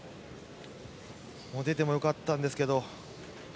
出てもよかったんですけど。